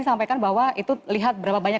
sampaikan bahwa itu lihat berapa banyak